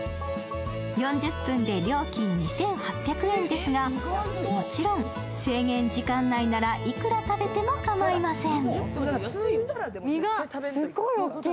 ４０分で料金２８００円ですが、もちろん制限時間内ならいくら食べても構いません。